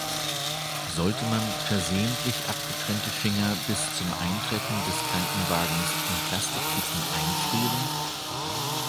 Sollte man versehentlich abgetrennte Finger bis zum Eintreffen des Krankenwagens in Plastiktüten einfrieren?